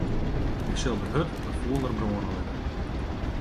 Ik sil de hurd wat fûler brâne litte.